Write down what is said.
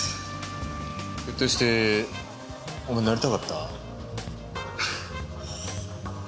ひょっとしてお前なりたかった？